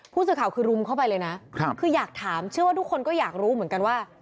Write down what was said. ผู้สื่อข่าวคือรุมเข้าไปเลยนะคืออยากถามเชื่อว่าทุกคนก็อยากรู้เหมือนกันว่า